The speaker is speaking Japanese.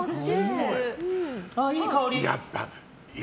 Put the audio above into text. いい香り！